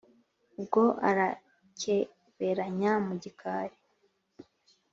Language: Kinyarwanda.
,Ubwo arakeberanya mu gikari,